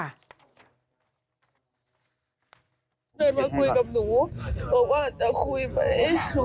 ได้มาคุยกับหนูบอกว่าจะคุยไหม